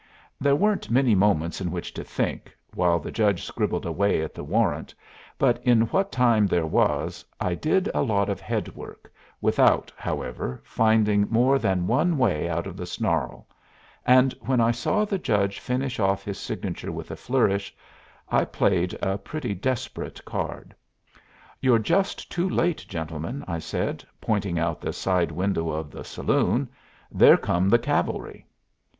There weren't many moments in which to think while the judge scribbled away at the warrant, but in what time there was I did a lot of head work, without, however, finding more than one way out of the snarl. And when I saw the judge finish off his signature with a flourish, I played a pretty desperate card. "You're just too late, gentlemen," I said, pointing out the side window of the saloon. "There come the cavalry."